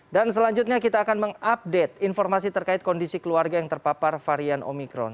dan selanjutnya kita akan mengupdate informasi terkait kondisi keluarga yang terpapar varian omikron